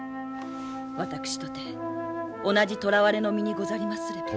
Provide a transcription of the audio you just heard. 私とて同じ捕らわれの身にござりますれば。